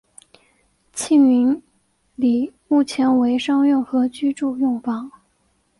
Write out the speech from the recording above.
庆云里目前为商用和居住用房。